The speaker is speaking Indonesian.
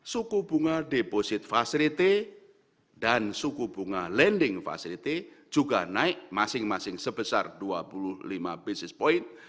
suku bunga deposit facility dan suku bunga lending facility juga naik masing masing sebesar dua puluh lima basis point